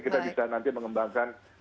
kita bisa nanti mengembangkan